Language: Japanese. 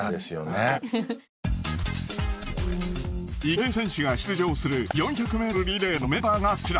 池江選手が出場する４００ｍリレーのメンバーがこちら。